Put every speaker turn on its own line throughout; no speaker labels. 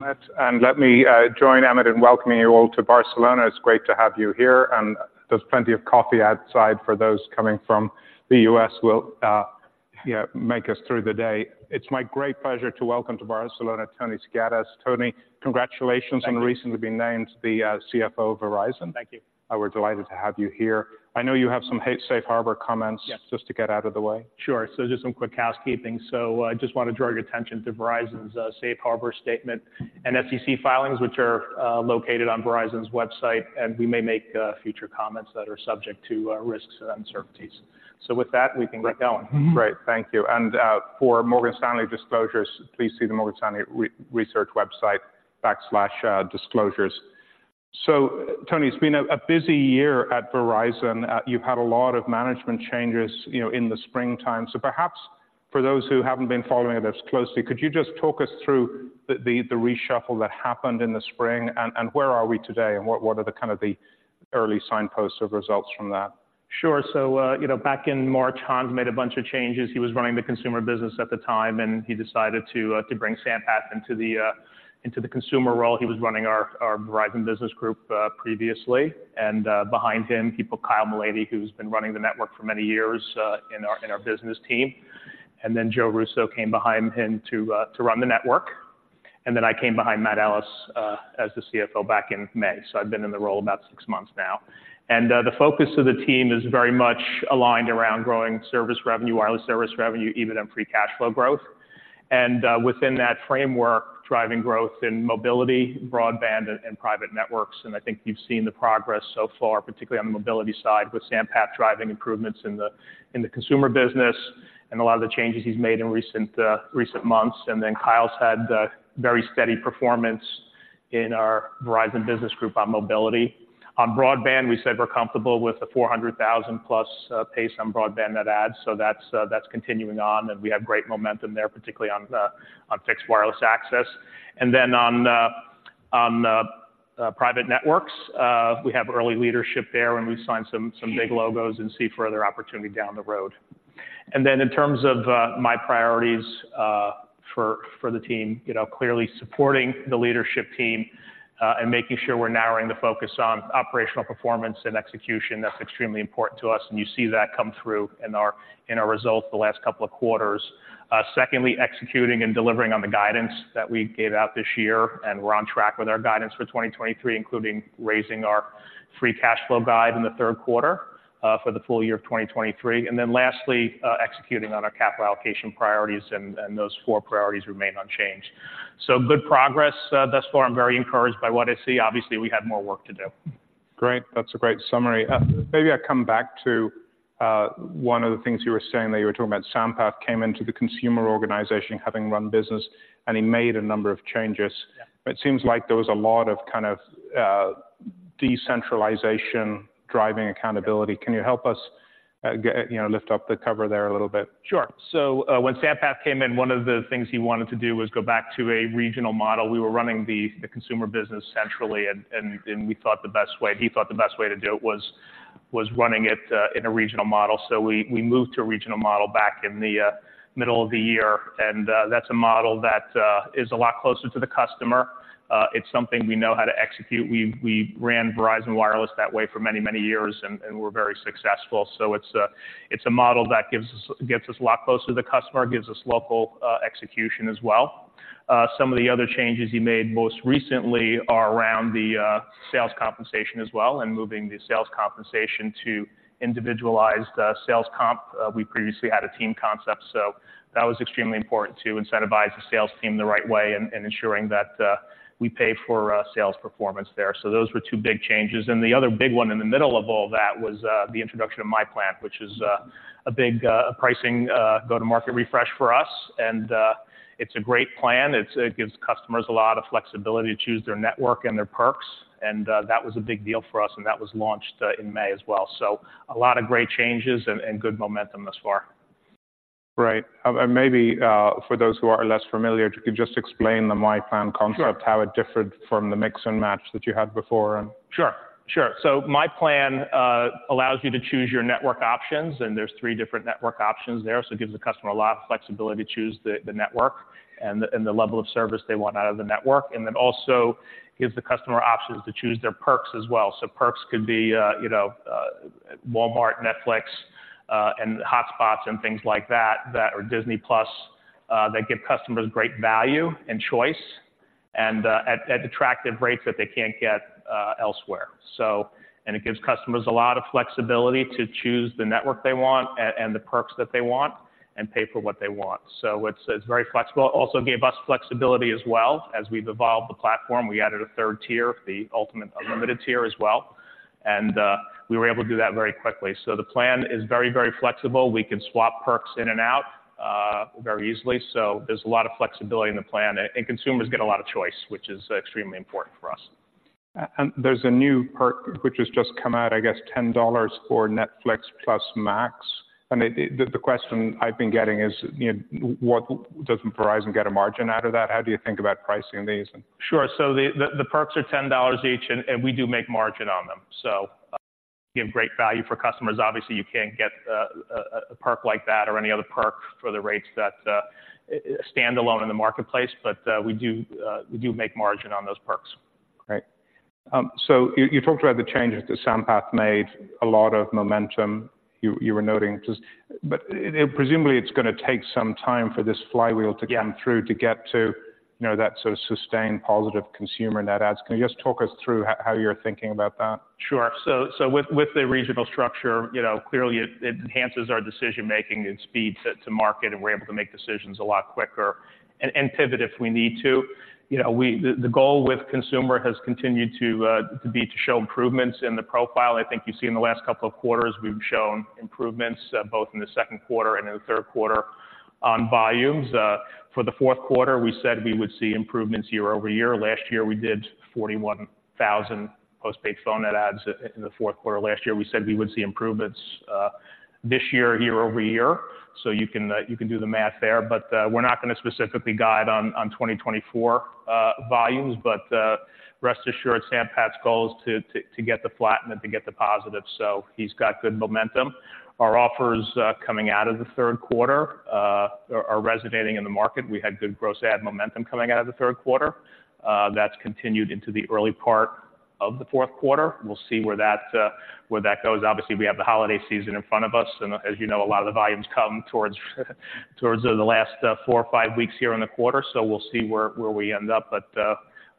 Let me join Emmett in welcoming you all to Barcelona. It's great to have you here, and there's plenty of coffee outside for those coming from the U.S. We'll make it through the day. It's my great pleasure to welcome to Barcelona, Tony Skiadas. Tony, congratulations-
Thank you.
-on recently being named the, CFO of Verizon.
Thank you.
We're delighted to have you here. I know you have some Safe Harbor comments.
Yes.
Just to get out of the way.
Sure. So just some quick housekeeping. So I just want to draw your attention to Verizon's Safe Harbor statement and FCC filings, which are located on Verizon's website, and we may make future comments that are subject to risks and uncertainties. So with that, we can get going.
Mm-hmm. Great. Thank you. And for Morgan Stanley disclosures, please see the Morgan Stanley research website, backslash disclosures. So Tony, it's been a busy year at Verizon. You've had a lot of management changes, you know, in the springtime. Perhaps for those who haven't been following it as closely, could you just talk us through the reshuffle that happened in the spring, and where are we today, and what are the kind of the early signposts of results from that?
Sure. So, you know, back in March, Hans made a bunch of changes. He was running the consumer business at the time, and he decided to bring Sampath into the consumer role. He was running our Verizon Business Group previously, and behind him, people, Kyle Malady, who's been running the network for many years in our business team. And then Joe Russo came behind him to run the network. And then I came behind Matt Ellis as the CFO back in May. So I've been in the role about six months now. And the focus of the team is very much aligned around growing service revenue, wireless service revenue, EBITDA, and Free Cash Flow growth. And within that framework, driving growth in mobility, broadband, and private networks. I think you've seen the progress so far, particularly on the mobility side, with Sampath driving improvements in the consumer business and a lot of the changes he's made in recent months. Then Kyle's had very steady performance in our Verizon Business Group on mobility. On broadband, we said we're comfortable with the 400,000+ pace on broadband net adds, so that's continuing on, and we have great momentum there, particularly on fixed wireless access. Then on the private networks, we have early leadership there, and we've signed some big logos and see further opportunity down the road. In terms of my priorities for the team, you know, clearly supporting the leadership team and making sure we're narrowing the focus on operational performance and execution, that's extremely important to us, and you see that come through in our results the last couple of quarters. Secondly, executing and delivering on the guidance that we gave out this year, and we're on track with our guidance for 2023, including raising our free cash flow guide in the third quarter for the full year of 2023. Lastly, executing on our capital allocation priorities, and those four priorities remain unchanged. So good progress thus far. I'm very encouraged by what I see. Obviously, we have more work to do.
Great. That's a great summary. Maybe I come back to one of the things you were saying, that you were talking about Sampath came into the consumer organization, having run business, and he made a number of changes.
Yeah.
It seems like there was a lot of kind of, decentralization, driving accountability. Can you help us, you know, lift up the cover there a little bit?
Sure. So, when Sampath came in, one of the things he wanted to do was go back to a regional model. We were running the consumer business centrally, and we thought the best way- he thought the best way to do it was running it in a regional model. So we moved to a regional model back in the middle of the year, and that's a model that is a lot closer to the customer. It's something we know how to execute. We ran Verizon Wireless that way for many, many years, and we're very successful. So it's a model that gives us- gets us a lot closer to the customer, gives us local execution as well. Some of the other changes he made most recently are around the sales compensation as well, and moving the sales compensation to individualized sales comp. We previously had a team concept, so that was extremely important to incentivize the sales team the right way and ensuring that we pay for sales performance there. So those were two big changes. And the other big one in the middle of all that was the introduction of myPlan, which is a big pricing go-to-market refresh for us, and it's a great plan. It's it gives customers a lot of flexibility to choose their network and their perks, and that was a big deal for us, and that was launched in May as well. So a lot of great changes and good momentum thus far.
Right. And maybe, for those who are less familiar, if you could just explain the myPlan concept?
Sure.
How it differed from the Mix & Match that you had before?
Sure, sure. So myPlan allows you to choose your network options, and there's three different network options there. So it gives the customer a lot of flexibility to choose the network and the level of service they want out of the network, and then also gives the customer options to choose their perks as well. So perks could be, you know, Walmart, Netflix, and hotspots, and things like that, that are Disney+, that give customers great value and choice and at attractive rates that they can't get elsewhere. So and it gives customers a lot of flexibility to choose the network they want and the perks that they want and pay for what they want. So it's very flexible. Also gave us flexibility as well. As we've evolved the platform, we added a third tier, the Ultimate Unlimited tier as well, and we were able to do that very quickly. So the plan is very, very flexible. We can swap perks in and out very easily, so there's a lot of flexibility in the plan, and consumers get a lot of choice, which is extremely important for us.
There's a new perk which has just come out, I guess, $10 for Netflix plus Max. And the question I've been getting is, you know, what doesn't Verizon get a margin out of that? How do you think about pricing these?
Sure. So the perks are $10 each, and we do make margin on them. So we have great value for customers. Obviously, you can't get a perk like that or any other perk for the rates that stand alone in the marketplace, but we do we do make margin on those perks.
Great. So you talked about the changes that Sampath made, a lot of momentum you were noting. But presumably, it's going to take some time for this flywheel to-
Yeah
come through to get to, you know, that sort of sustained positive consumer net adds. Can you just talk us through how, how you're thinking about that?
Sure. So with the regional structure, you know, clearly it enhances our decision-making and speed to market, and we're able to make decisions a lot quicker and pivot if we need to. You know, the goal with consumer has continued to be to show improvements in the profile. I think you see in the last couple of quarters, we've shown improvements both in the second quarter and in the third quarter on volumes. For the fourth quarter, we said we would see improvements year-over-year. Last year, we did 41,000 postpaid phone net adds in the fourth quarter. Last year, we said we would see improvements this year, year-over-year, so you can do the math there. But we're not going to specifically guide on 2024 volumes, but rest assured, Sampath's goal is to get it flat and to get it positive, so he's got good momentum. Our offers coming out of the third quarter are resonating in the market. We had good gross add momentum coming out of the third quarter. That's continued into the early part of the fourth quarter. We'll see where that goes. Obviously, we have the holiday season in front of us, and as you know, a lot of the volumes come towards the last four or five weeks here in the quarter. So we'll see where we end up, but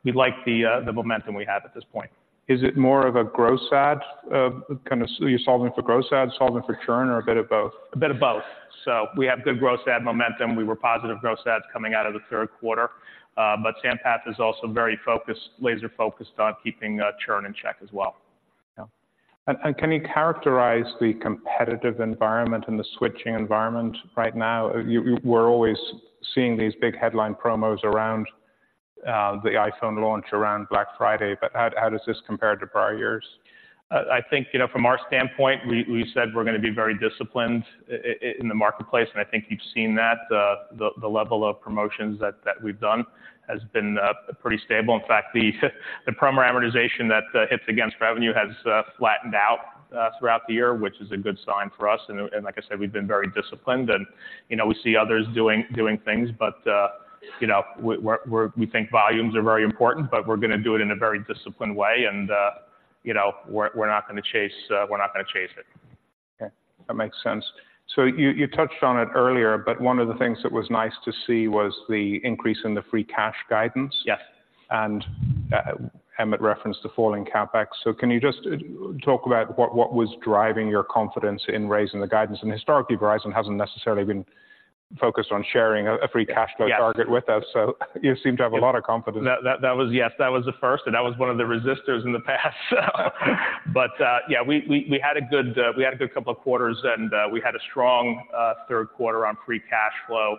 we like the momentum we have at this point.
Is it more of a gross add? Kind of, you're solving for gross add, solving for churn, or a bit of both?
A bit of both. So we have good gross add momentum. We were positive gross adds coming out of the third quarter, but Sampath is also very focused, laser-focused on keeping churn in check as well.
Yeah. And can you characterize the competitive environment and the switching environment right now? We're always seeing these big headline promos around the iPhone launch, around Black Friday, but how does this compare to prior years?
I think, you know, from our standpoint, we said we're going to be very disciplined in the marketplace, and I think you've seen that. The level of promotions that we've done has been pretty stable. In fact, the promo amortization that hits against revenue has flattened out throughout the year, which is a good sign for us. Like I said, we've been very disciplined and, you know, we see others doing things, but, you know, we think volumes are very important, but we're going to do it in a very disciplined way, and, you know, we're not going to chase it.
Okay, that makes sense. So you, you touched on it earlier, but one of the things that was nice to see was the increase in the free cash guidance.
Yes.
And, Emmett referenced the falling CapEx. So can you just talk about what was driving your confidence in raising the guidance? And historically, Verizon hasn't necessarily been focused on sharing a free cash flow-
Yes
target with us, so you seem to have a lot of confidence.
That was... Yes, that was the first, and that was one of the resisters in the past. But, yeah, we had a good couple of quarters, and we had a strong third quarter on free cash flow.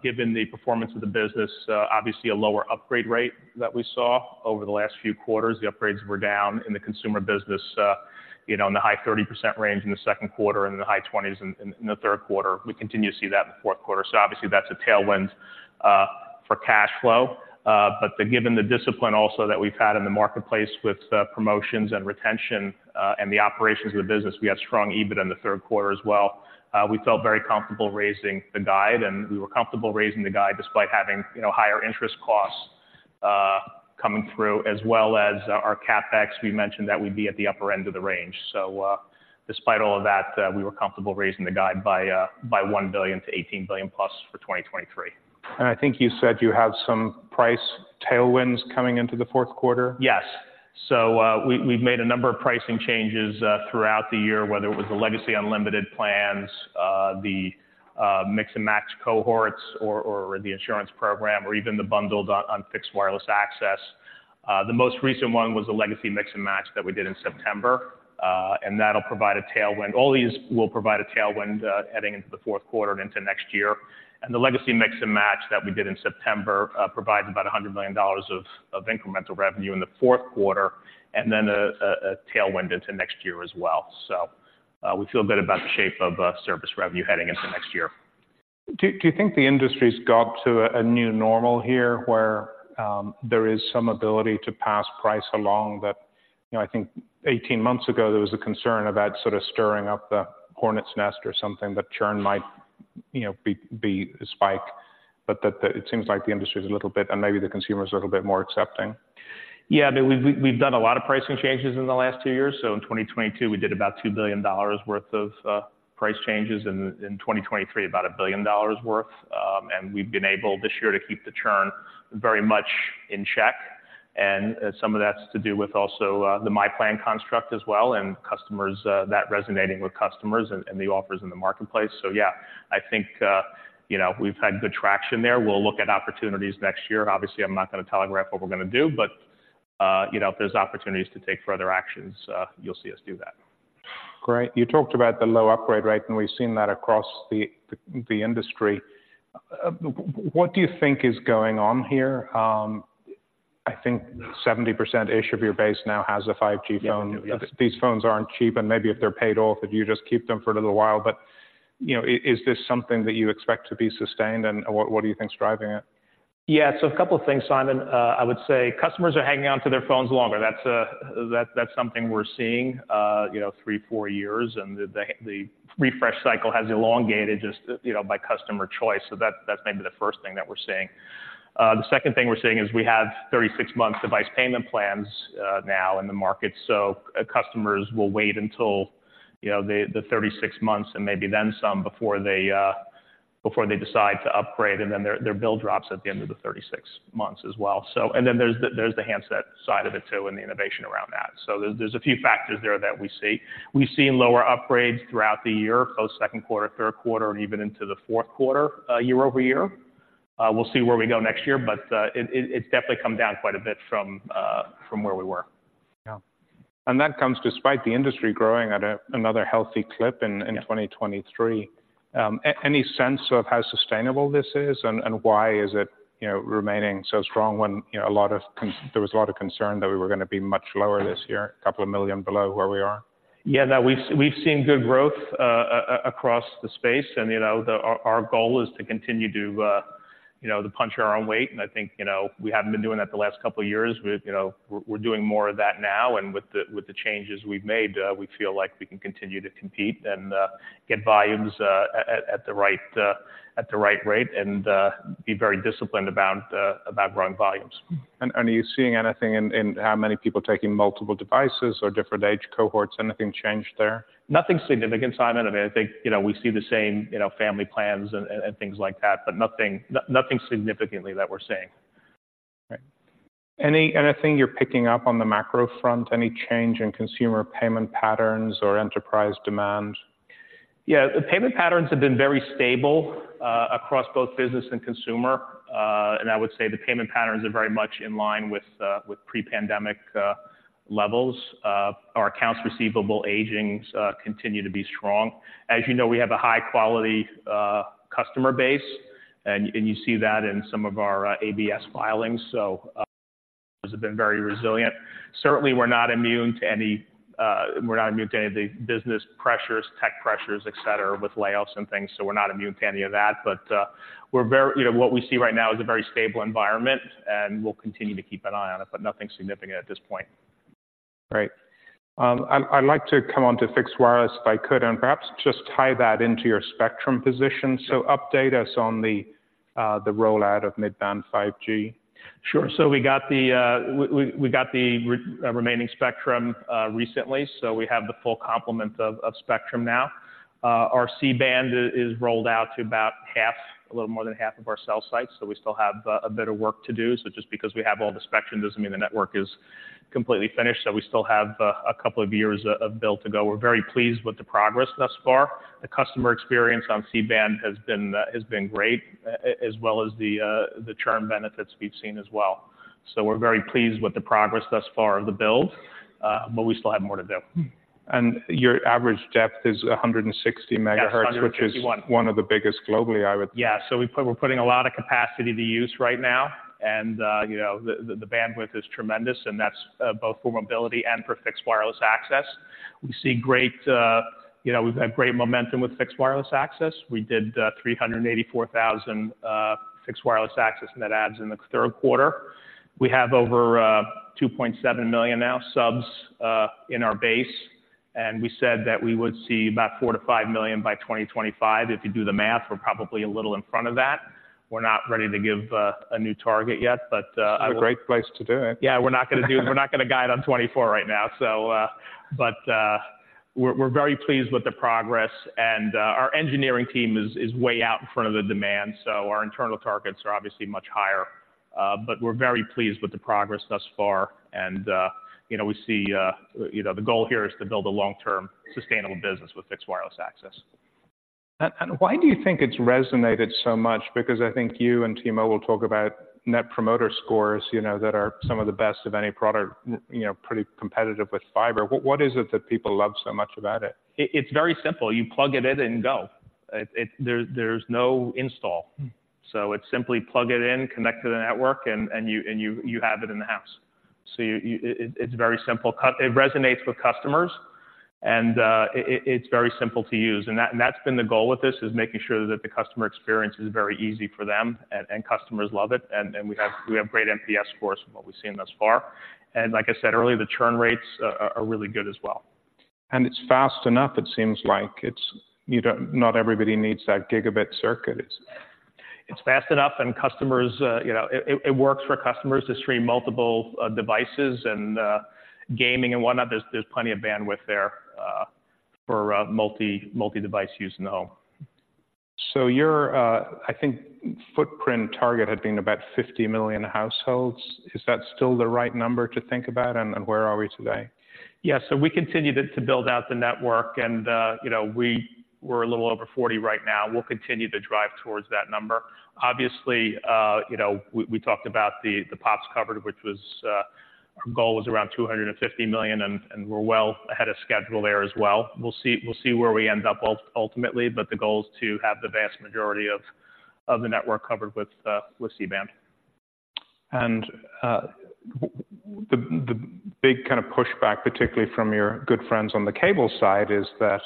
Given the performance of the business, obviously a lower upgrade rate that we saw over the last few quarters. The upgrades were down in the consumer business, you know, in the high 30% range in the second quarter and in the high 20s in the third quarter. We continue to see that in the fourth quarter. So obviously, that's a tailwind, for cash flow, but given the discipline also that we've had in the marketplace with, promotions and retention, and the operations of the business, we had strong EBIT in the third quarter as well. We felt very comfortable raising the guide, and we were comfortable raising the guide despite having, you know, higher interest costs, coming through, as well as our CapEx. We mentioned that would be at the upper end of the range. So, despite all of that, we were comfortable raising the guide by, by $1 billion to $18 billion plus for 2023.
I think you said you have some price tailwinds coming into the fourth quarter?
Yes. So, we've made a number of pricing changes throughout the year, whether it was the legacy unlimited plans, the Mix & Match cohorts or the insurance program, or even the bundled on fixed wireless access. The most recent one was a legacy Mix & Match that we did in September, and that'll provide a tailwind. All these will provide a tailwind heading into the fourth quarter and into next year. And the legacy Mix & Match that we did in September provides about $100 million of incremental revenue in the fourth quarter and then a tailwind into next year as well. So, we feel good about the shape of service revenue heading into next year.
Do you think the industry's got to a new normal here, where there is some ability to pass price along? That, you know, I think 18 months ago, there was a concern about sort of stirring up the hornet's nest or something, that churn might, you know, be a spike, but that, it seems like the industry is a little bit, and maybe the consumer is a little bit more accepting.
Yeah, I mean, we've done a lot of pricing changes in the last two years. So in 2022, we did about $2 billion worth of price changes, in 2023, about $1 billion worth. And we've been able, this year, to keep the churn very much in check, and some of that's to do with also the myPlan construct as well, and customers that resonating with customers and the offers in the marketplace. So yeah, I think, you know, we've had good traction there. We'll look at opportunities next year. Obviously, I'm not going to telegraph what we're going to do, but, you know, if there's opportunities to take further actions, you'll see us do that.
Great. You talked about the low upgrade rate, and we've seen that across the industry. What do you think is going on here? I think 70%-ish of your base now has a 5G phone.
Yes.
These phones aren't cheap, and maybe if they're paid off, if you just keep them for a little while, but, you know, is this something that you expect to be sustained, and what, what do you think is driving it? ...
Yeah, so a couple of things, Simon. I would say customers are hanging on to their phones longer. That's, that's something we're seeing, you know, three, four years, and the refresh cycle has elongated just, you know, by customer choice. So that's maybe the first thing that we're seeing. The second thing we're seeing is we have 36-month device payment plans now in the market. So, customers will wait until, you know, the 36 months and maybe then some, before they, before they decide to upgrade, and then their bill drops at the end of the 36 months as well. So and then there's the, there's the handset side of it too, and the innovation around that. So there's a few factors there that we see. We've seen lower upgrades throughout the year, both second quarter, third quarter, and even into the fourth quarter, year over year. We'll see where we go next year, but it's definitely come down quite a bit from where we were.
Yeah. And that comes despite the industry growing at another healthy clip in 2023. Any sense of how sustainable this is, and why is it, you know, remaining so strong when, you know, there was a lot of concern that we were gonna be much lower this year, a couple of million below where we are?
Yeah, no, we've seen good growth across the space and, you know, our goal is to continue to, you know, to punch our own weight, and I think, you know, we haven't been doing that the last couple of years. We, you know, we're doing more of that now, and with the changes we've made, we feel like we can continue to compete and get volumes at the right rate and be very disciplined about growing volumes.
Are you seeing anything in how many people taking multiple devices or different age cohorts? Anything changed there?
Nothing significant, Simon. I mean, I think, you know, we see the same, you know, family plans and, and things like that, but nothing, nothing significantly that we're seeing.
Right. Anything you're picking up on the macro front? Any change in consumer payment patterns or enterprise demand?
Yeah, the payment patterns have been very stable, across both business and consumer. And I would say the payment patterns are very much in line with, with pre-pandemic, levels. Our accounts receivable agings continue to be strong. As you know, we have a high-quality, customer base, and, and you see that in some of our, ABS filings, so customers have been very resilient. Certainly, we're not immune to any, we're not immune to any of the business pressures, tech pressures, et cetera, with layoffs and things, so we're not immune to any of that. But, we're very... You know, what we see right now is a very stable environment, and we'll continue to keep an eye on it, but nothing significant at this point.
Great. I'd like to come on to fixed wireless, if I could, and perhaps just tie that into your spectrum position. So update us on the rollout of mid-band 5G.
Sure. So we got the remaining spectrum recently, so we have the full complement of spectrum now. Our C-band is rolled out to about half, a little more than half of our cell sites, so we still have a bit of work to do. So just because we have all the spectrum doesn't mean the network is completely finished, so we still have a couple of years of build to go. We're very pleased with the progress thus far. The customer experience on C-band has been great, as well as the churn benefits we've seen as well. So we're very pleased with the progress thus far of the build, but we still have more to do.
Your average depth is 160 MHz-
Yes, 161....
which is one of the biggest globally, I would-
Yeah. So we're putting a lot of capacity to use right now, and, you know, the bandwidth is tremendous, and that's both for mobility and for fixed wireless access. We see great, you know, we've had great momentum with fixed wireless access. We did 384,000 fixed wireless access net adds in the third quarter. We have over 2.7 million now subs in our base, and we said that we would see about four to five million by 2025. If you do the math, we're probably a little in front of that. We're not ready to give a new target yet, but I will-
It's a great place to do it.
Yeah, we're not gonna guide on 2024 right now, so. But, we're very pleased with the progress, and, our engineering team is way out in front of the demand, so our internal targets are obviously much higher. But we're very pleased with the progress thus far, and, you know, we see, you know, the goal here is to build a long-term, sustainable business with fixed wireless access.
Why do you think it's resonated so much? Because I think you and T-Mobile talk about Net Promoter scores, you know, that are some of the best of any product, you know, pretty competitive with fiber. What is it that people love so much about it?
It's very simple. You plug it in and go. There's no install.
Mm.
So it's simply plug it in, connect to the network, and you have it in the house. So you... It's very simple. It resonates with customers, and it, it's very simple to use. And that's been the goal with this, is making sure that the customer experience is very easy for them, and customers love it, and we have great NPS scores from what we've seen thus far. And like I said earlier, the churn rates are really good as well.
And it's fast enough, it seems like. Not everybody needs that gigabit circuit. It's
It's fast enough, and customers, you know... It works for customers to stream multiple devices and gaming and whatnot. There's plenty of bandwidth there for multi-device use in the home.
So your footprint target had been about 50 million households. Is that still the right number to think about, and where are we today?
Yeah, so we continued it to build out the network and, you know, we're a little over 40 right now. We'll continue to drive towards that number. Obviously, you know, we, we talked about the, the pops covered, which was our goal was around 250 million, and, and we're well ahead of schedule there as well. We'll see, we'll see where we end up ultimately, but the goal is to have the vast majority of, of the network covered with C-Band....
And, the big kind of pushback, particularly from your good friends on the cable side, is that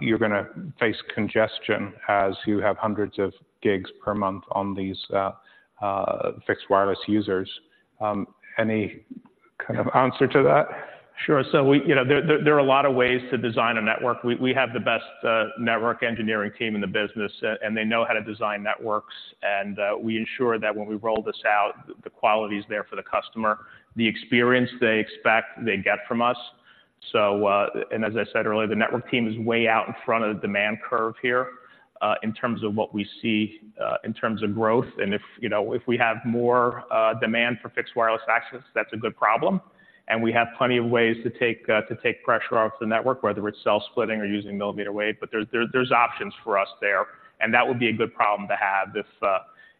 you're gonna face congestion as you have hundreds of gigs per month on these fixed wireless users. Any kind of answer to that?
Sure. So we, you know, there are a lot of ways to design a network. We have the best network engineering team in the business, and they know how to design networks, and we ensure that when we roll this out, the quality is there for the customer. The experience they expect, they get from us. So, and as I said earlier, the network team is way out in front of the demand curve here, in terms of what we see, in terms of growth. And if, you know, if we have more demand for fixed wireless access, that's a good problem, and we have plenty of ways to take pressure off the network, whether it's cell splitting or using millimeter wave. But there's options for us there, and that would be a good problem to have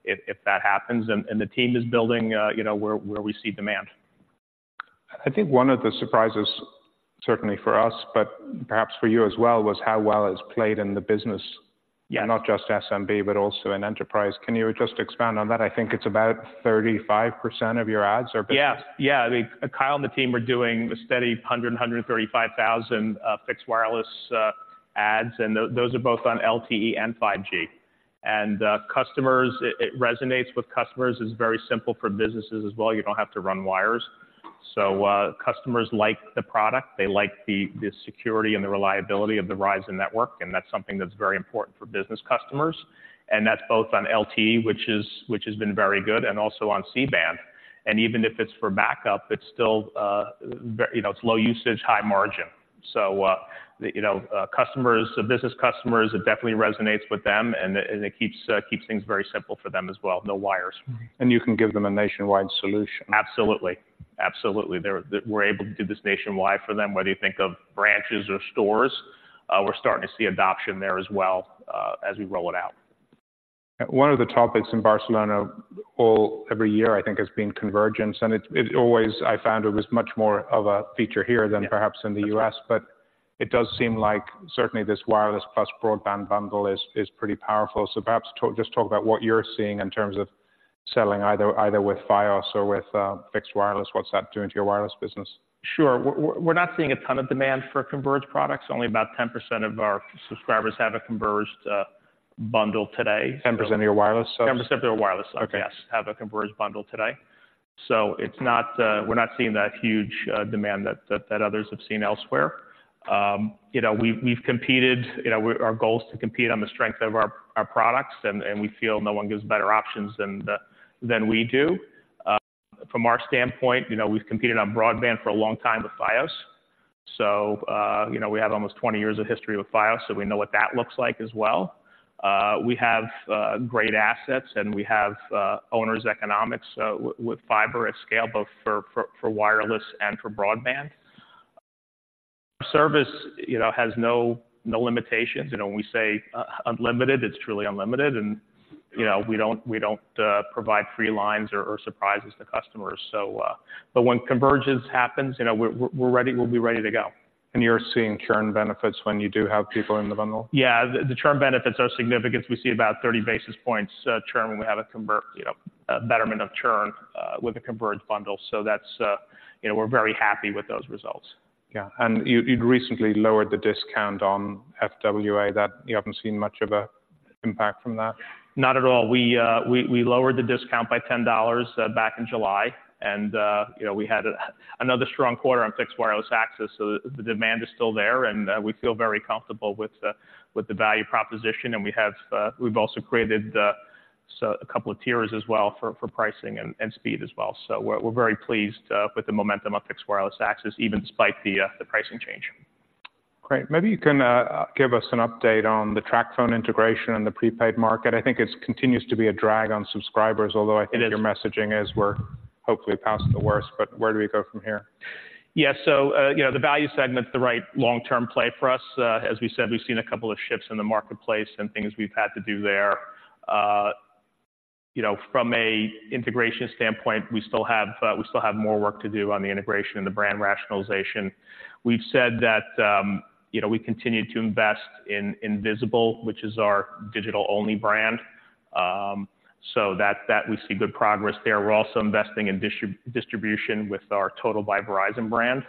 if that happens. And the team is building, you know, where we see demand.
I think one of the surprises, certainly for us, but perhaps for you as well, was how well it's played in the business-
Yeah.
Not just SMB, but also in enterprise. Can you just expand on that? I think it's about 35% of your EBITDA or business.
Yeah. Yeah, I mean, Kyle and the team are doing a steady 100, 135,000 fixed wireless adds, and those are both on LTE and 5G. And customers, it resonates with customers. It's very simple for businesses as well. You don't have to run wires. So, customers like the product. They like the security and the reliability of the Verizon network, and that's something that's very important for business customers, and that's both on LTE, which has been very good, and also on C-Band. And even if it's for backup, it's still very... You know, it's low usage, high margin. So, you know, customers, the business customers, it definitely resonates with them, and it keeps things very simple for them as well. No wires.
You can give them a nationwide solution.
Absolutely. Absolutely. We're able to do this nationwide for them, whether you think of branches or stores, we're starting to see adoption there as well, as we roll it out.
One of the topics in Barcelona every year, I think, has been convergence, and it always, I found, was much more of a feature here than-
Yeah
Perhaps in the U.S. But it does seem like certainly this wireless plus broadband bundle is, is pretty powerful. So perhaps talk- just talk about what you're seeing in terms of selling, either, either with Fios or with fixed wireless. What's that doing to your wireless business?
Sure. We're not seeing a ton of demand for converged products. Only about 10% of our subscribers have a converged bundle today.
10% of your wireless subs?
10% of our wireless subs-
Okay.
Yes, have a converged bundle today. So it's not, we're not seeing that huge demand that others have seen elsewhere. You know, we've competed. You know, our goal is to compete on the strength of our products, and we feel no one gives better options than we do. From our standpoint, you know, we've competed on broadband for a long time with Fios. So, you know, we have almost 20 years of history with Fios, so we know what that looks like as well. We have great assets, and we have owners' economics with fiber at scale, both for wireless and for broadband. Service, you know, has no limitations. You know, when we say unlimited, it's truly unlimited, and, you know, we don't provide free lines or surprises to customers, so. But when convergence happens, you know, we'll be ready to go.
You're seeing churn benefits when you do have people in the bundle?
Yeah, the churn benefits are significant. We see about 30 basis points churn when we have a converged bundle. You know, a betterment of churn with a converged bundle. So that's... You know, we're very happy with those results.
Yeah. And you, you'd recently lowered the discount on FWA. That, you haven't seen much of an impact from that?
Not at all. We lowered the discount by $10 back in July, and you know, we had another strong quarter on fixed wireless access, so the demand is still there, and we feel very comfortable with the value proposition, and we've also created so a couple of tiers as well for pricing and speed as well. So we're very pleased with the momentum of fixed wireless access, even despite the pricing change.
Great. Maybe you can give us an update on the TracFone integration and the prepaid market. I think it's continues to be a drag on subscribers, although I think-
It is...
your messaging is we're hopefully past the worst, but where do we go from here?
Yeah. So, you know, the value segment is the right long-term play for us. As we said, we've seen a couple of shifts in the marketplace and things we've had to do there. You know, from an integration standpoint, we still have more work to do on the integration and the brand rationalization. We've said that, you know, we continue to invest in Visible, which is our digital-only brand, so we see good progress there. We're also investing in distribution with our Total by Verizon brand,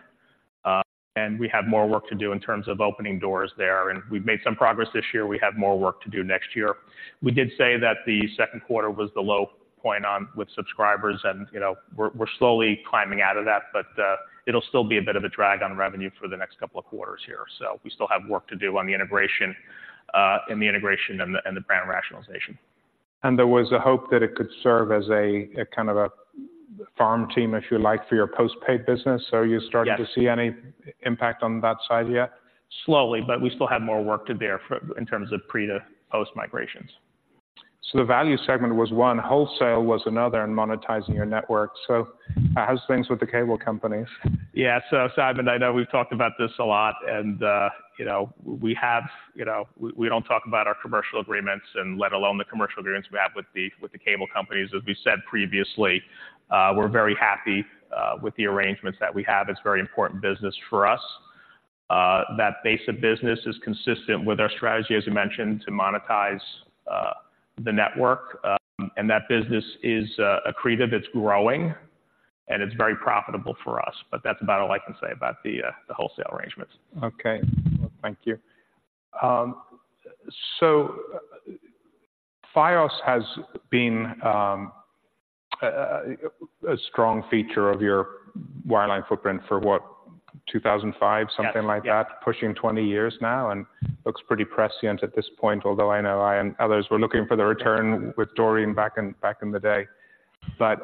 and we have more work to do in terms of opening doors there, and we've made some progress this year. We have more work to do next year. We did say that the second quarter was the low point on with subscribers and, you know, we're slowly climbing out of that, but it'll still be a bit of a drag on revenue for the next couple of quarters here. So we still have work to do on the integration and the brand rationalization.
There was a hope that it could serve as a kind of a farm team, if you like, for your postpaid business. So are you-
Yes
starting to see any impact on that side yet?
Slowly, but we still have more work to do there for, in terms of pre to post migrations.
So the value segment was one, wholesale was another, in monetizing your network. So, how's things with the cable companies?
Yeah. So, Simon, I know we've talked about this a lot, and you know, we have you know, we don't talk about our commercial agreements and let alone the commercial agreements we have with the cable companies. As we said previously, we're very happy with the arrangements that we have. It's very important business for us. That base of business is consistent with our strategy, as you mentioned, to monetize the network. And that business is accretive, it's growing, and it's very profitable for us, but that's about all I can say about the wholesale arrangements.
Okay. Thank you. So Fios has been a strong feature of your wireline footprint for what? 2005, something like that?
Yes.
Pushing 20 years now, and looks pretty prescient at this point, although I know I and others were looking for the return with Doreen back in the day. But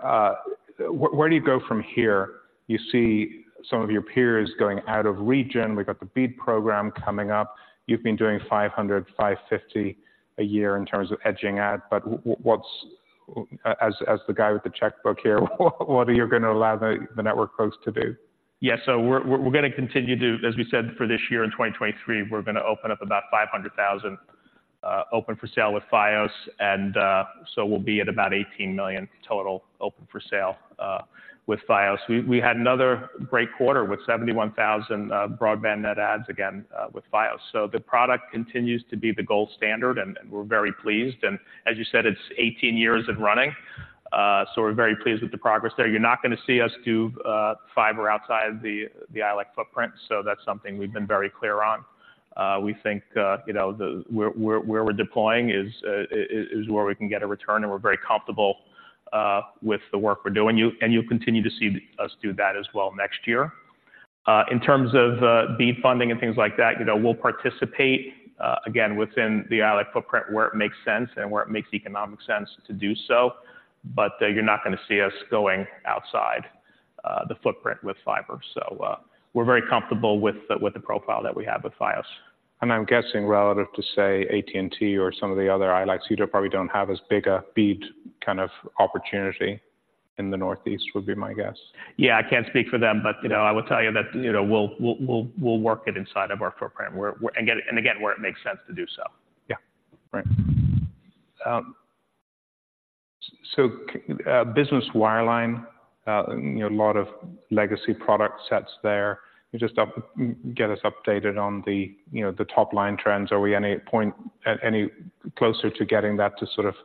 where do you go from here? You see some of your peers going out of region. We've got the BEAD Program coming up. You've been doing 500 550 a year in terms of edging out, but as the guy with the checkbook here, what are you going to allow the network folks to do?
Yeah, so we're going to continue to, as we said, for this year in 2023, we're going to open up about 500,000 open for sale with Fios, and so we'll be at about 18 million total open for sale with Fios. We had another great quarter with 71,000 broadband net adds again with Fios. So the product continues to be the gold standard, and we're very pleased, and as you said, it's 18 years and running, so we're very pleased with the progress there. You're not going to see us do fiber outside the ILEC footprint, so that's something we've been very clear on. We think, you know, the where we're deploying is where we can get a return, and we're very comfortable with the work we're doing. And you'll continue to see us do that as well next year. In terms of BEAD funding and things like that, you know, we'll participate again within the ILEC footprint where it makes sense and where it makes economic sense to do so, but you're not going to see us going outside the footprint with fiber. So we're very comfortable with the profile that we have with Fios.
I'm guessing relative to, say, AT&T or some of the other ILECs, you probably don't have as big a BEAD kind of opportunity in the Northeast, would be my guess.
Yeah, I can't speak for them, but, you know, I will tell you that, you know, we'll work it inside of our footprint, where, and again, and again, where it makes sense to do so.
Yeah, right. So, business wireline, you know, a lot of legacy product sets there. You just get us updated on the, you know, the top-line trends. Are we any closer to getting that to sort of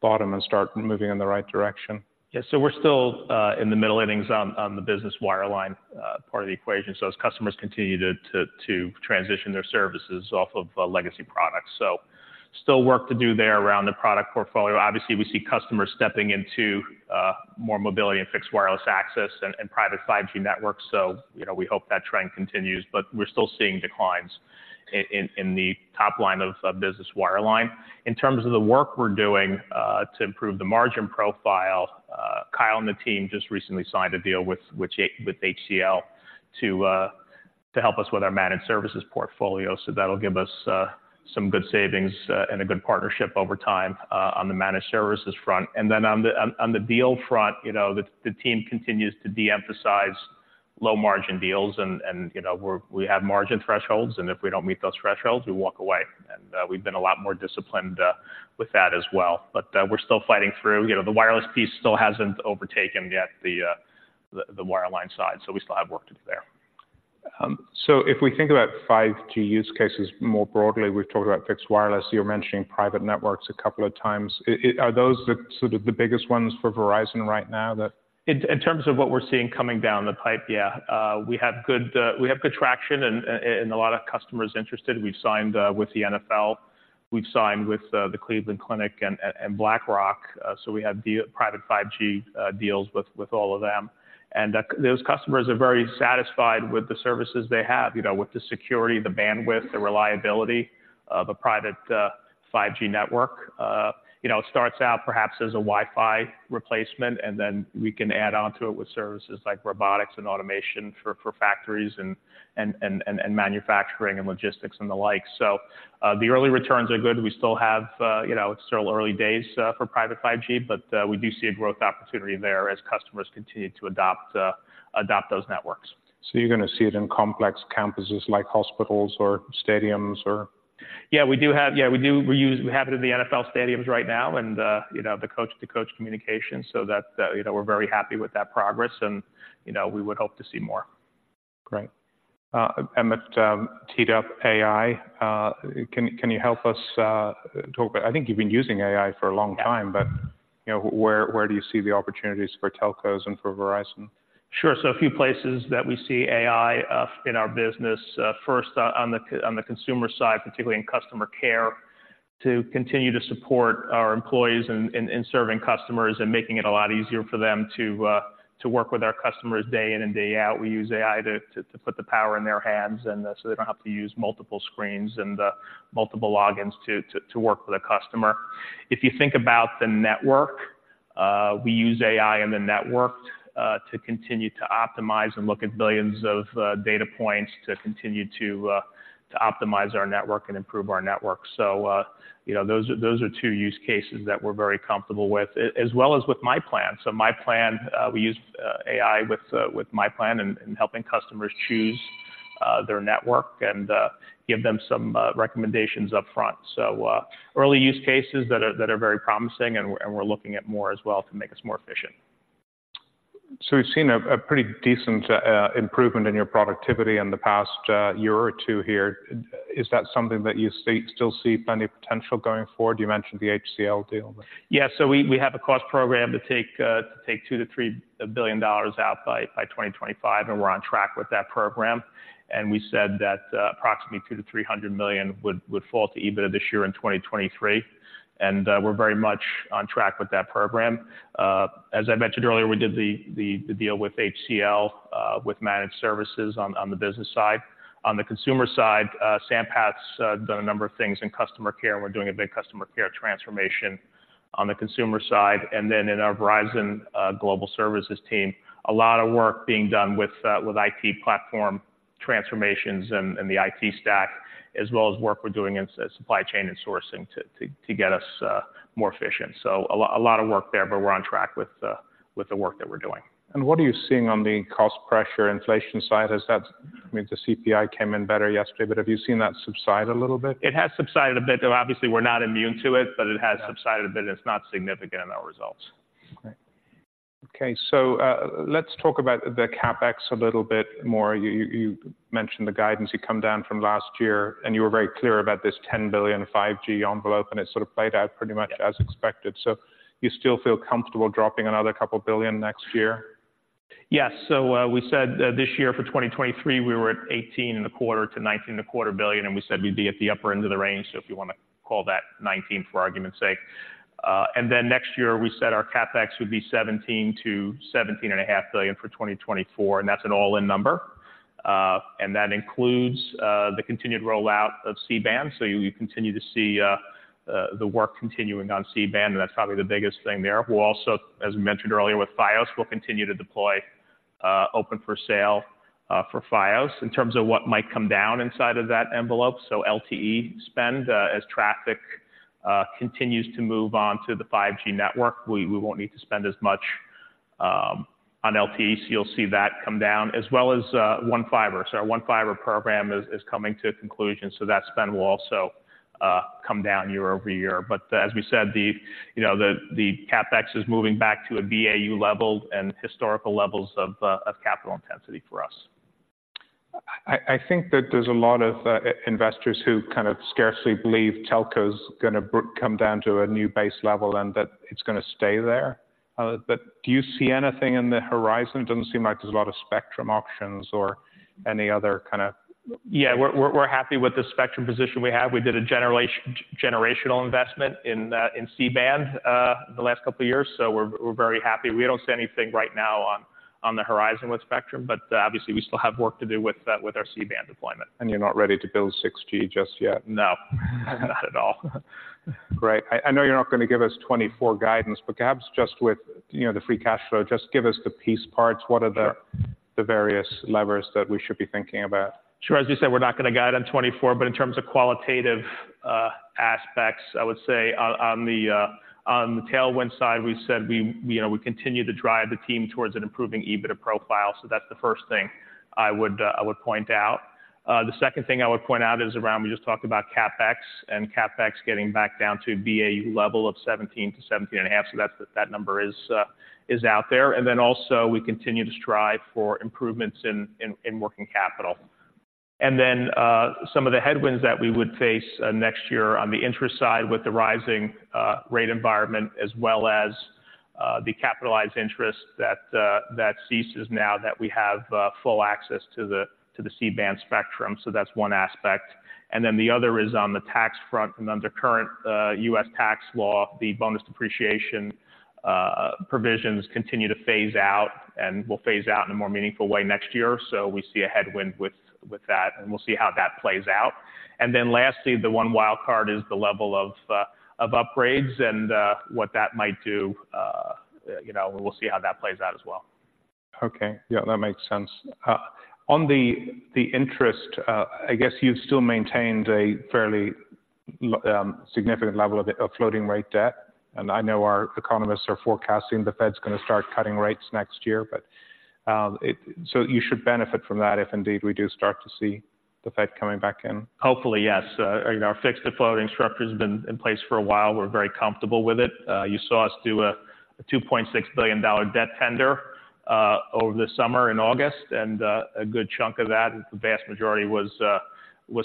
bottom and start moving in the right direction?
Yeah, so we're still in the middle innings on the business wireline part of the equation. So as customers continue to transition their services off of legacy products. So still work to do there around the product portfolio. Obviously, we see customers stepping into more mobility and fixed wireless access and private 5G networks, so, you know, we hope that trend continues, but we're still seeing declines in the top line of business wireline. In terms of the work we're doing to improve the margin profile, Kyle and the team just recently signed a deal with HCL to help us with our managed services portfolio. So that'll give us some good savings and a good partnership over time on the managed services front. And then on the deal front, you know, the team continues to de-emphasize low-margin deals and, you know, we have margin thresholds, and if we don't meet those thresholds, we walk away. And we've been a lot more disciplined with that as well. But we're still fighting through. You know, the wireless piece still hasn't overtaken yet the wireline side, so we still have work to do there.
So if we think about 5G use cases more broadly, we've talked about fixed wireless, you're mentioning private networks a couple of times. Are those the sort of the biggest ones for Verizon right now that-
In terms of what we're seeing coming down the pipe, yeah. We have good traction and a lot of customers interested. We've signed with the NFL, the Cleveland Clinic, and BlackRock. So we have private 5G deals with all of them. And those customers are very satisfied with the services they have, you know, with the security, the bandwidth, the reliability of a private 5G network. You know, it starts out perhaps as a Wi-Fi replacement, and then we can add on to it with services like robotics and automation for factories and manufacturing and logistics and the like. So the early returns are good. We still have, you know, it's still early days for private 5G, but we do see a growth opportunity there as customers continue to adopt those networks.
You're going to see it in complex campuses like hospitals or stadiums or?
Yeah, we do. We have it in the NFL stadiums right now and, you know, the Coach-to-Coach communication. So that, you know, we're very happy with that progress, and, you know, we would hope to see more.
Great. And that teed up AI. Can you help us talk about... I think you've been using AI for a long time-
Yeah.
But, you know, where do you see the opportunities for telcos and for Verizon?
Sure. So a few places that we see AI in our business, first, on the consumer side, particularly in customer care, to continue to support our employees in serving customers and making it a lot easier for them to work with our customers day in and day out. We use AI to put the power in their hands, and so they don't have to use multiple screens and multiple logins to work with a customer. If you think about the network, we use AI in the network to continue to optimize and look at billions of data points to continue to optimize our network and improve our network. So, you know, those are two use cases that we're very comfortable with, as well as with myPlan. So myPlan, we use AI with myPlan in helping customers choose their network and give them some recommendations up front. So, early use cases that are very promising, and we're looking at more as well to make us more efficient. ...
So we've seen a pretty decent improvement in your productivity in the past year or two here. Is that something that you see--still see plenty of potential going forward? You mentioned the HCL deal.
Yeah, so we have a cost program to take $2 billion-$3 billion out by 2025, and we're on track with that program. And we said that approximately $200 million-$300 million would fall to EBITDA this year in 2023, and we're very much on track with that program. As I mentioned earlier, we did the deal with HCL with managed services on the business side. On the consumer side, Sampath's done a number of things in customer care, and we're doing a big customer care transformation on the consumer side. And then in our Verizon Global Services team, a lot of work being done with IT platform transformations and the IT stack, as well as work we're doing in supply chain and sourcing to get us more efficient. So a lot of work there, but we're on track with the work that we're doing.
What are you seeing on the cost pressure inflation side? Has that... I mean, the CPI came in better yesterday, but have you seen that subside a little bit?
It has subsided a bit, though obviously we're not immune to it, but it has subsided a bit, and it's not significant in our results.
Okay, so, let's talk about the CapEx a little bit more. You mentioned the guidance had come down from last year, and you were very clear about this $10 billion 5G envelope, and it sort of played out pretty much as expected. So you still feel comfortable dropping another $2 billion next year?
Yes. So, we said that this year for 2023, we were at $18.25 billion-$19.25 billion, and we said we'd be at the upper end of the range. So if you want to call that $19 billion for argument's sake. And then next year, we said our CapEx would be $17 billion-$17.5 billion for 2024, and that's an all-in number. And that includes the continued rollout of C-Band. So you continue to see the work continuing on C-Band, and that's probably the biggest thing there. We'll also, as mentioned earlier, with Fios, we'll continue to deploy open for sale for Fios. In terms of what might come down inside of that envelope, so LTE spend, as traffic continues to move on to the 5G network, we won't need to spend as much on LTE, so you'll see that come down, as well as One Fiber. So our One Fiber program is coming to a conclusion, so that spend will also come down year-over-year. But as we said, the, you know, the CapEx is moving back to a BAU level and historical levels of capital intensity for us.
I think that there's a lot of investors who kind of scarcely believe telco's going to come down to a new base level and that it's going to stay there. But do you see anything in the horizon? It doesn't seem like there's a lot of spectrum auctions or any other kind of-
Yeah, we're happy with the spectrum position we have. We did a generational investment in C-Band the last couple of years, so we're very happy. We don't see anything right now on the horizon with spectrum, but obviously we still have work to do with our C-Band deployment.
You're not ready to build 6G just yet?
No, not at all.
Great. I know you're not going to give us 24 guidance, but perhaps just with, you know, the free cash flow, just give us the piece parts.
Sure.
What are the various levers that we should be thinking about?
Sure. As you said, we're not going to guide on 2024, but in terms of qualitative aspects, I would say on the tailwind side, we said we, you know, we continue to drive the team towards an improving EBITDA profile. So that's the first thing I would point out. The second thing I would point out is around, we just talked about CapEx, and CapEx getting back down to BAU level of $17-$17.5. So that number is out there. And then also we continue to strive for improvements in working capital. And then, some of the headwinds that we would face, next year on the interest side with the rising, rate environment, as well as, the capitalized interest that that ceases now that we have, full access to the, to the C-Band spectrum. So that's one aspect. And then the other is on the tax front, and under current, U.S. tax law, the bonus depreciation, provisions continue to phase out and will phase out in a more meaningful way next year. So we see a headwind with, with that, and we'll see how that plays out. And then lastly, the one wild card is the level of, of upgrades and, what that might do, you know, we'll see how that plays out as well.
Okay. Yeah, that makes sense. On the interest, I guess you've still maintained a fairly significant level of floating rate debt, and I know our economists are forecasting the Fed's going to start cutting rates next year, but it. So you should benefit from that if indeed we do start to see the Fed coming back in.
Hopefully, yes. You know, our fixed-to-floating structure has been in place for a while. We're very comfortable with it. You saw us do a $2.6 billion debt tender over the summer in August, and a good chunk of that, the vast majority was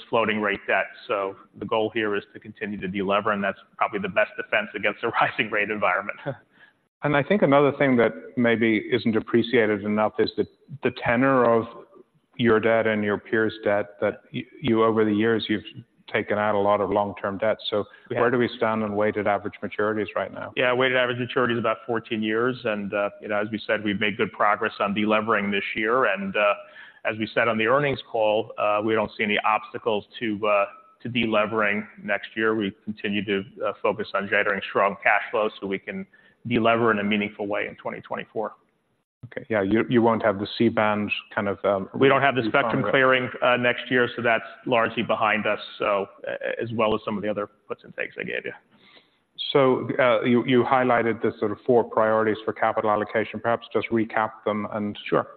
floating rate debt. So the goal here is to continue to delever, and that's probably the best defense against a rising rate environment.
I think another thing that maybe isn't appreciated enough is the tenor of your debt and your peers' debt, that you over the years, you've taken out a lot of long-term debt.
Yeah.
Where do we stand on weighted average maturities right now?
Yeah, weighted average maturity is about 14 years, and, you know, as we said, we've made good progress on delevering this year. And, as we said on the earnings call, we don't see any obstacles to, to delevering next year. We continue to focus on generating strong cash flow so we can delever in a meaningful way in 2024.
Okay. Yeah, you, you won't have the C-Band kind of,
We don't have the spectrum clearing next year, so that's largely behind us, so, as well as some of the other gives and takes I gave you.
So, you highlighted the sort of four priorities for capital allocation. Perhaps just recap them and-
Sure.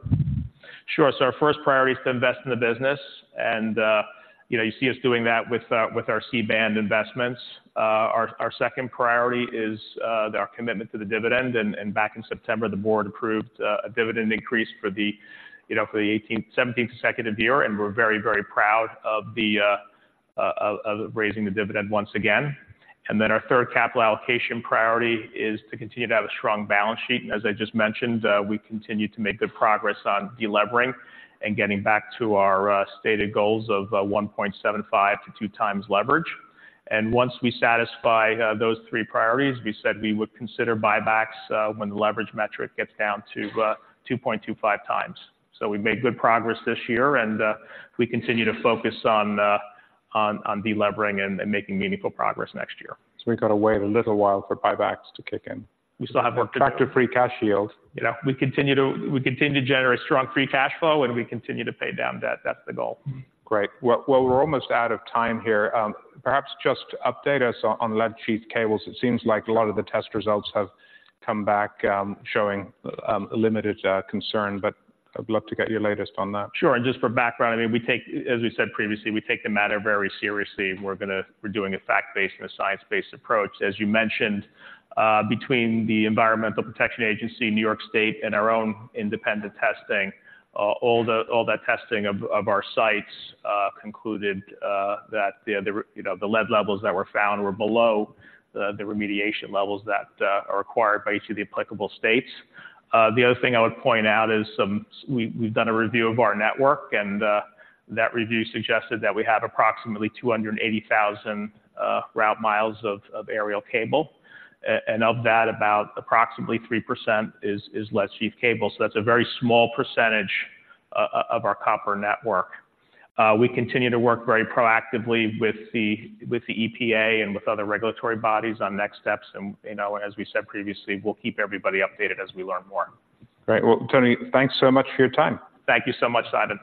Sure. So our first priority is to invest in the business, and, you know, you see us doing that with our C-Band investments. Our second priority is our commitment to the dividend, and back in September, the board approved a dividend increase for the, you know, for the eighteenth—seventeenth consecutive year, and we're very, very proud of the of raising the dividend once again. And then our third capital allocation priority is to continue to have a strong balance sheet. As I just mentioned, we continue to make good progress on delevering and getting back to our stated goals of 1.75x-2x leverage. Once we satisfy those three priorities, we said we would consider buybacks when the leverage metric gets down to 2.25x. So we've made good progress this year, and we continue to focus on delevering and making meaningful progress next year.
So we've got to wait a little while for buybacks to kick in.
We still have work to do.
Attract a free cash yield.
You know, we continue to generate strong free cash flow, and we continue to pay down debt. That's the goal.
Great. Well, well, we're almost out of time here. Perhaps just update us on lead-sheathed cables. It seems like a lot of the test results have come back, showing a limited concern, but I'd love to get your latest on that.
Sure. Just for background, I mean, as we said previously, we take the matter very seriously, and we're doing a fact-based and a science-based approach. As you mentioned, between the Environmental Protection Agency, New York State, and our own independent testing, all that testing of our sites concluded that the, you know, the lead levels that were found were below the remediation levels that are required by each of the applicable states. The other thing I would point out is we, we've done a review of our network, and that review suggested that we have approximately 280,000 route miles of aerial cable, and of that, about approximately 3% is lead-sheathed cable. So that's a very small percentage of our copper network. We continue to work very proactively with the EPA and with other regulatory bodies on next steps, and, you know, as we said previously, we'll keep everybody updated as we learn more.
Great. Well, Tony, thanks so much for your time.
Thank you so much, Simon.